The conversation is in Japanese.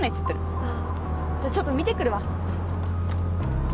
ああじゃちょっと見てくるわ